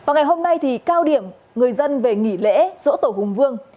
ngày hôm nay thì cao điểm người dân về nghỉ lễ rỗ tổ hùng vương